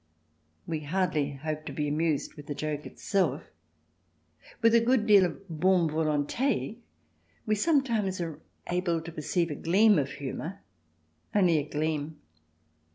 We hardly hope to be amused with the joke itself. With a good deal of bonne volonte we sometimes are able to perceive a gleam of humour — only a gleam.